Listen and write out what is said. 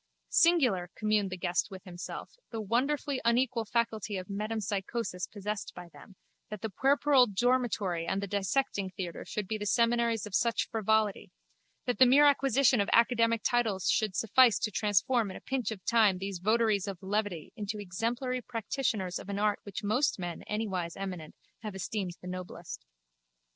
Singular, communed the guest with himself, the wonderfully unequal faculty of metempsychosis possessed by them, that the puerperal dormitory and the dissecting theatre should be the seminaries of such frivolity, that the mere acquisition of academic titles should suffice to transform in a pinch of time these votaries of levity into exemplary practitioners of an art which most men anywise eminent have esteemed the noblest.